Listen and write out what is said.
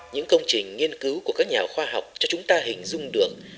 những công trình nghiên cứu của các nhà khoa học cho chúng ta hình dung được